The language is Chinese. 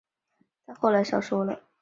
但后来少说了